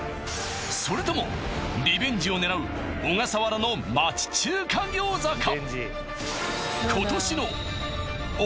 それともリベンジを狙うオガサワラの町中華餃子か？